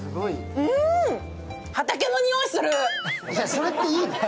それっていいの？